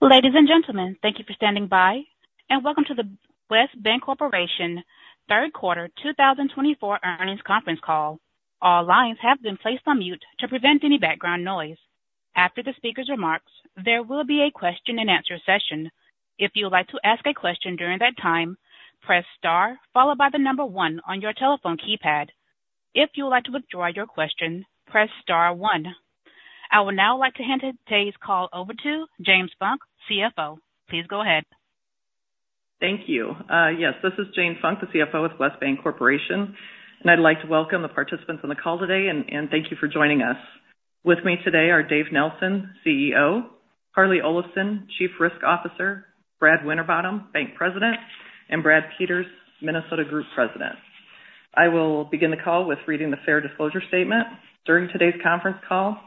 Ladies and gentlemen, thank you for standing by, and welcome to the West Bancorporation Q3 2024 earnings conference call. All lines have been placed on mute to prevent any background noise. After the speaker's remarks, there will be a Q&A session. If you would like to ask a question during that time, press star followed by the number one on your telephone keypad. If you would like to withdraw your question, press star one. I would now like to hand today's call over to Jane Funk, CFO. Please go ahead. Thank you. Yes, this is Jane Funk, the CFO of West Bancorporation, and I'd like to welcome the participants on the call today and thank you for joining us. With me today are David D. Nelson, CEO, Harlee Olafson, Chief Risk Officer, Brad Winterbottom, Bank President, and Brad Peters, Minnesota Group President. I will begin the call with reading the fair disclosure statement. During today's conference call,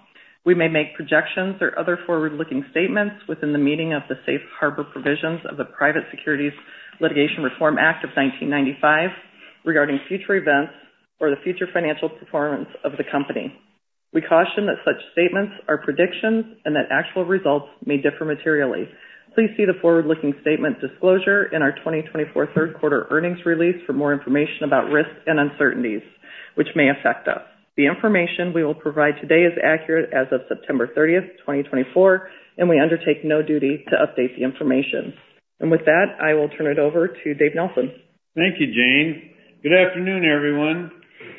we may make projections or other forward-looking statements within the meaning of the Safe Harbor Provisions of the Private Securities Litigation Reform Act of 1995 regarding future events or the future financial performance of the company. We caution that such statements are predictions and that actual results may differ materially. Please see the forward-looking statement disclosure in our twenty twenty-four Q3 earnings release for more information about risks and uncertainties which may affect us. The information we will provide today is accurate as of September 30th, 2024, and we undertake no duty to update the information, and with that, I will turn it over to David D. Nelson. Thank you, Jane Funk. Good afternoon, everyone.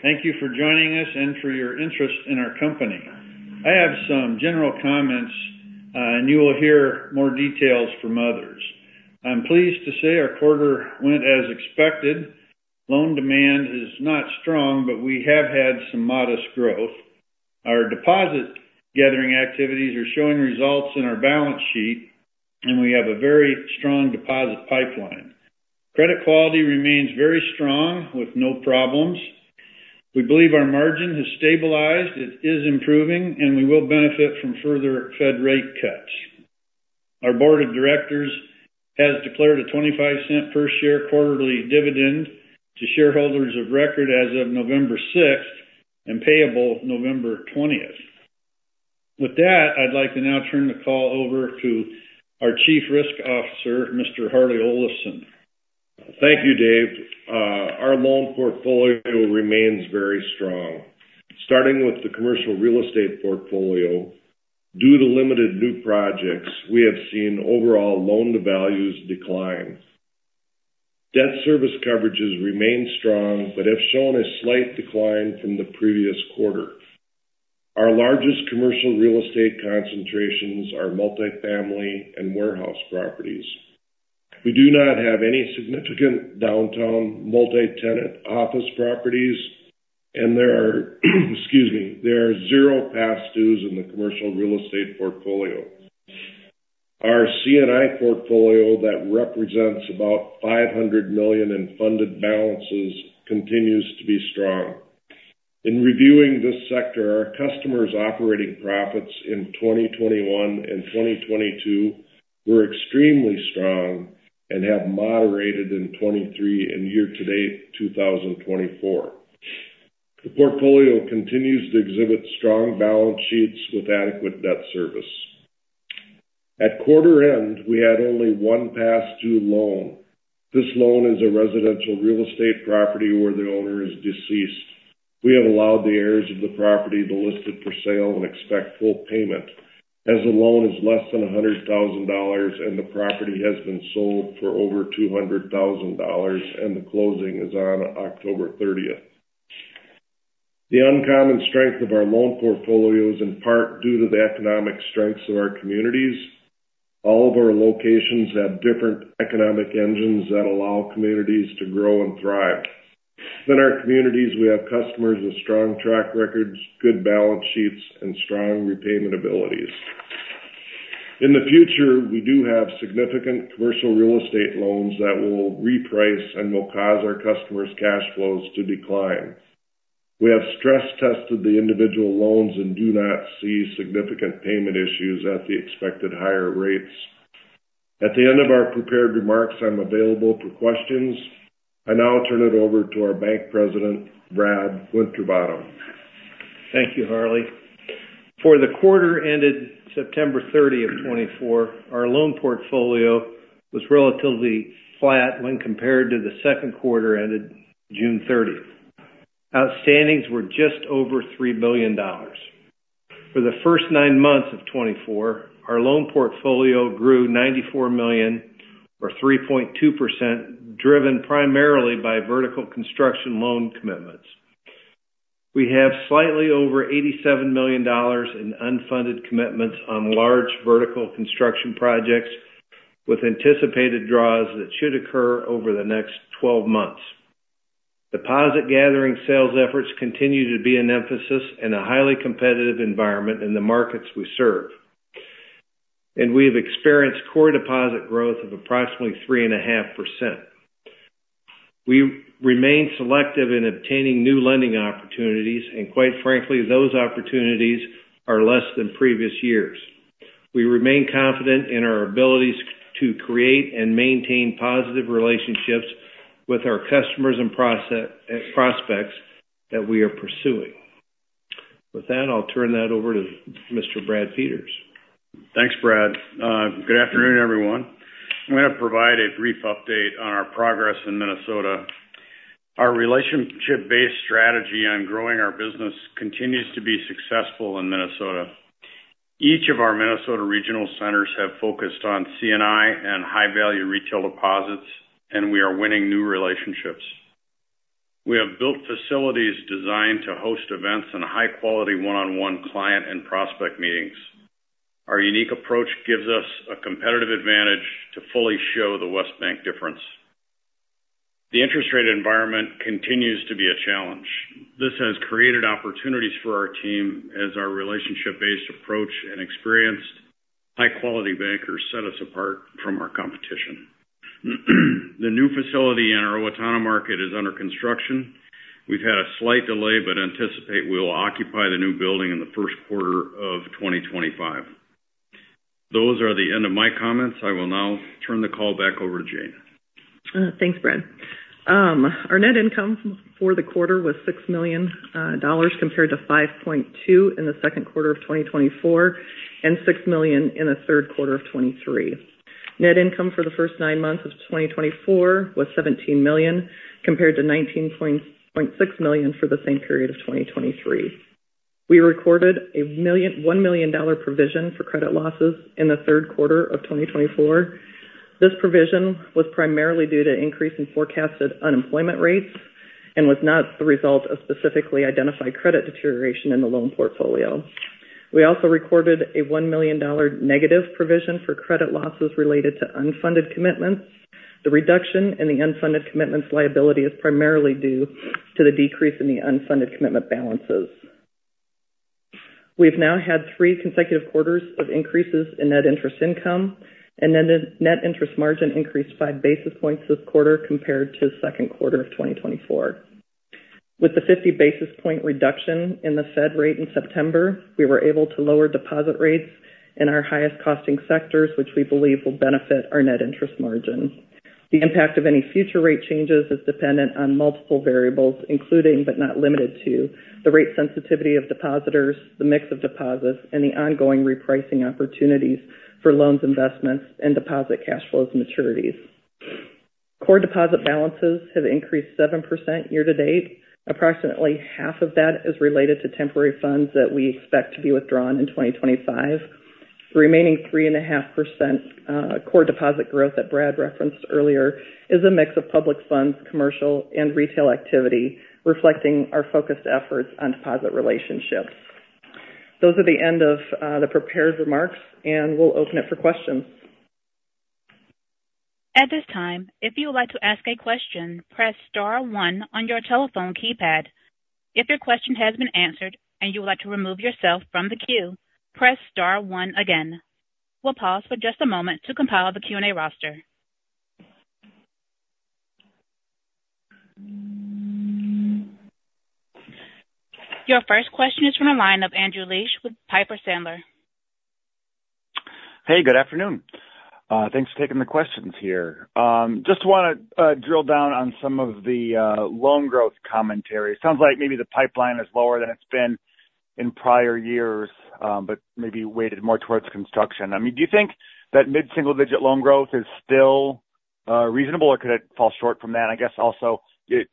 Thank you for joining us and for your interest in our company. I have some general comments, and you will hear more details from others. I'm pleased to say our quarter went as expected. Loan demand is not strong, but we have had some modest growth. Our deposit gathering activities are showing results in our balance sheet, and we have a very strong deposit pipeline. Credit quality remains very strong with no problems. We believe our margin has stabilized, it is improving, and we will benefit from further Fed rate cuts. Our board of directors has declared a $0.25 per share quarterly dividend to shareholders of record as of November 6th and payable November 20th. With that, I'd like to now turn the call over to our Chief Risk Officer, Mr. Harlee Olafson. Thank you, David D. Nelson. Our loan portfolio remains very strong. Starting with the commercial real estate portfolio, due to limited new projects, we have seen overall loan-to-values decline. Debt service coverages remain strong, but have shown a slight decline from the previous quarter. Our largest commercial real estate concentrations are multifamily and warehouse properties. We do not have any significant downtown multi-tenant office properties, and there are zero past dues in the commercial real estate portfolio. Our C&I portfolio that represents about 500 million in funded balances continues to be strong. In reviewing this sector, our customers' operating profits in 2021 and 2022 were extremely strong and have moderated in 2023 and year-to-date 2024. The portfolio continues to exhibit strong balance sheets with adequate debt service. At quarter end, we had only one past due loan. This loan is a residential real estate property where the owner is deceased. We have allowed the heirs of the property to list it for sale and expect full payment, as the loan is less than $100,000 and the property has been sold for over $200,000, and the closing is on October 30th. The uncommon strength of our loan portfolio is in part due to the economic strengths of our communities. All of our locations have different economic engines that allow communities to grow and thrive. Within our communities, we have customers with strong track records, good balance sheets, and strong repayment abilities. In the future, we do have significant commercial real estate loans that will reprice and will cause our customers' cash flows to decline. We have stress tested the individual loans and do not see significant payment issues at the expected higher rates. At the end of our prepared remarks, I'm available for questions. I now turn it over to our Bank President, Brad Winterbottom. Thank you, Harlee Olafson. For the quarter ended September 30th, 2024, our loan portfolio was relatively flat when compared to the Q2 ended June 30th, 2024. Outstandings were just over $3 billion. For the first nine months of 2024, our loan portfolio grew $94 million, or 3.2%, driven primarily by vertical construction loan commitments. We have slightly over $87 million in unfunded commitments on large vertical construction projects, with anticipated draws that should occur over the next 12 months. Deposit gathering sales efforts continue to be an emphasis in a highly competitive environment in the markets we serve, and we have experienced core deposit growth of approximately 3.5%. We remain selective in obtaining new lending opportunities, and quite frankly, those opportunities are less than previous years. We remain confident in our abilities to create and maintain positive relationships with our customers and prospects that we are pursuing. ...With that, I'll turn that over to Mr. Brad Peters. Thanks, Brad Winterbottom. Good afternoon, everyone. I'm gonna provide a brief update on our progress in Minnesota. Our relationship-based strategy on growing our business continues to be successful in Minnesota. Each of our Minnesota regional centers have focused on C&I and high-value retail deposits, and we are winning new relationships. We have built facilities designed to host events and high-quality one-on-one client and prospect meetings. Our unique approach gives us a competitive advantage to fully show the West Bank difference. The interest rate environment continues to be a challenge. This has created opportunities for our team as our relationship-based approach and experienced high-quality bankers set us apart from our competition. The new facility in our Owatonna market is under construction. We've had a slight delay, but anticipate we'll occupy the new building in the Q1 of 2025. Those are the end of my comments. I will now turn the call back over to Jane Funk. Thanks, Brad Peters. Our net income for the quarter was $6 million, compared to $5.2 million in the Q2 of 2024, and $6 million in the Q3 of 2023. Net income for the first nine months of 2024 was $17 million, compared to $19.6 million for the same period of 2023. We recorded $1 million provision for credit losses in the Q3 of 2024. This provision was primarily due to increase in forecasted unemployment rates and was not the result of specifically identified credit deterioration in the loan portfolio. We also recorded a $1 million negative provision for credit losses related to unfunded commitments. The reduction in the unfunded commitments liability is primarily due to the decrease in the unfunded commitment balances. We've now had three consecutive quarters of increases in net interest income, and then the net interest margin increased 5 basis points this quarter compared to the Q2 of 2024. With the 50 basis point reduction in the Fed rate in September, we were able to lower deposit rates in our highest costing sectors, which we believe will benefit our net interest margin. The impact of any future rate changes is dependent on multiple variables, including, but not limited to, the rate sensitivity of depositors, the mix of deposits, and the ongoing repricing opportunities for loans, investments, and deposit cash flows maturities. Core deposit balances have increased 7% year-to-date. Approximately half of that is related to temporary funds that we expect to be withdrawn in 2025. The remaining 3.5%, core deposit growth that Brad Peters referenced earlier, is a mix of public funds, commercial and retail activity, reflecting our focused efforts on deposit relationships. Those are the end of the prepared remarks, and we'll open it for questions. At this time, if you would like to ask a question, press star one on your telephone keypad. If your question has been answered and you would like to remove yourself from the queue, press star one again. We'll pause for just a moment to compile the Q&A roster. Your first question is from the line of Andrew Liesch with Piper Sandler. Hey, good afternoon. Thanks for taking the questions here. Just wanna drill down on some of the loan growth commentary. Sounds like maybe the pipeline is lower than it's been in prior years, but maybe weighted more towards construction. I mean, do you think that mid-single-digit loan growth is still reasonable, or could it fall short from that? I guess, also,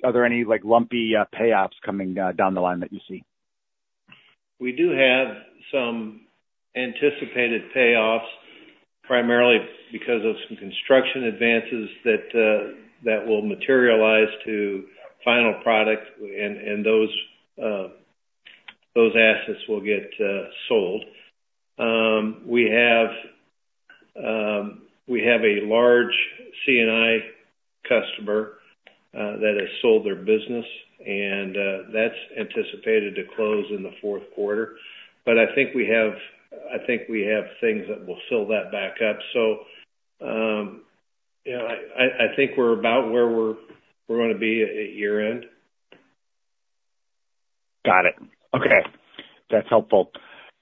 are there any, like, lumpy payoffs coming down the line that you see? We do have some anticipated payoffs, primarily because of some construction advances that will materialize to final product and those assets will get sold. We have a large C&I customer that has sold their business, and that's anticipated to close in the Q4. But I think we have things that will fill that back up. So, you know, I think we're about where we're gonna be at year-end. Got it. Okay. That's helpful.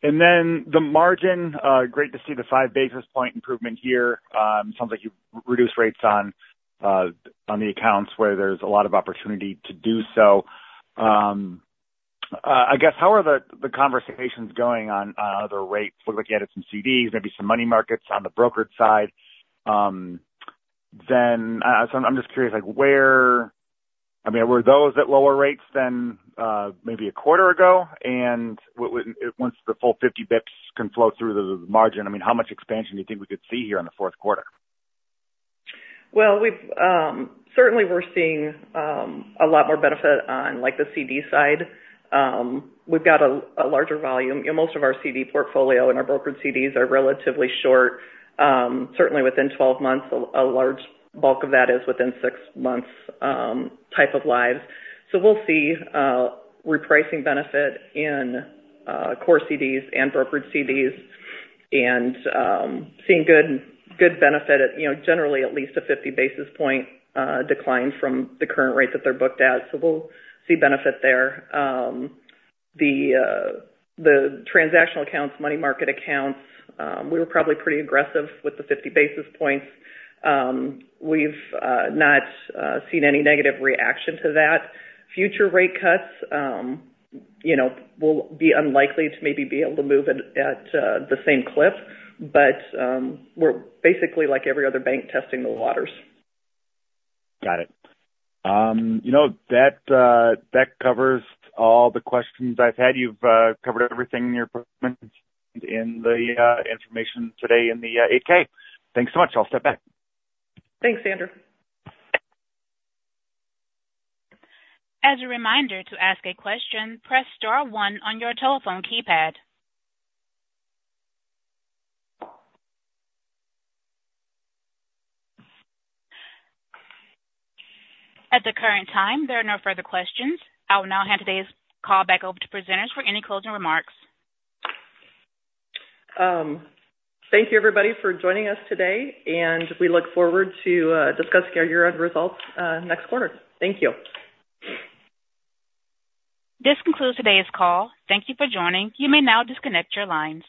And then the margin, great to see the 5 basis points improvement here. Sounds like you've reduced rates on the accounts where there's a lot of opportunity to do so. I guess, how are the conversations going on other rates? We're looking at some CDs, maybe some money markets on the brokerage side. Then, so I'm just curious, like, where I mean, were those at lower rates than maybe a quarter ago? And once the full 50 basis points can flow through the margin, I mean, how much expansion do you think we could see here in the Q4? We've certainly we're seeing a lot more benefit on, like, the CD side. We've got a larger volume. You know, most of our CD portfolio and our brokered CDs are relatively short, certainly within 12 months. A large bulk of that is within six months, type of lives. So we'll see repricing benefit in core CDs and brokered CDs, and seeing good benefit at, you know, generally at least a 50 basis point decline from the current rate that they're booked at. So we'll see benefit there. The transactional accounts, money market accounts, we were probably pretty aggressive with the fifty basis points. We've not seen any negative reaction to that. Future rate cuts, you know, will be unlikely to maybe be able to move at the same clip, but we're basically like every other bank, testing the waters. Got it. You know, that covers all the questions I've had. You've covered everything in your presentation, in the 8-K. Thanks so much. I'll step back. Thanks, Andrew Liesch. As a reminder, to ask a question, press star one on your telephone keypad. At the current time, there are no further questions. I will now hand today's call back over to presenters for any closing remarks. Thank you, everybody, for joining us today, and we look forward to discussing our year-end results next quarter. Thank you. This concludes today's call. Thank you for joining. You may now disconnect your lines.